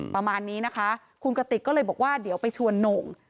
ประมาณนี้นะคะคุณกติกก็เลยบอกว่าเดี๋ยวไปชวนโหน่ง